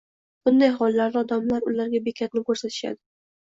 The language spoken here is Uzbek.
Bunday hollarda, odamlar ularga bekatni ko‘rsatishadi.